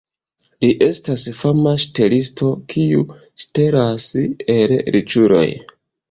Li estas fama ŝtelisto, kiu ŝtelas el riĉuloj.